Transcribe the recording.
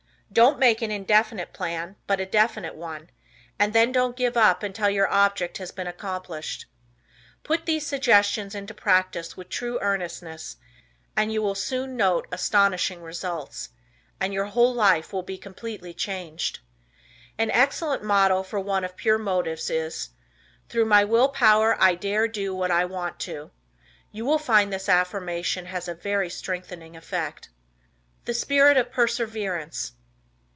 Don't make an indefinite plan, but a definite one, and then don't give up until your object has been accomplished. Put these suggestions into practice with true earnestness, and you will soon note astonishing results, and your whole life will be completely changed. An excellent motto for one of pure motives is: Through my will power I dare do what I want to. You will find this affirmation has a very strengthening effect. The Spirit of Perseverance.